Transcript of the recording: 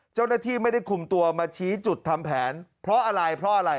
เจ้าหน้าที่ไม่ได้คุมตัวมาชี้จุดทำแผนเพราะอะไรเพราะอะไร